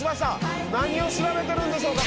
何を調べてるんでしょうか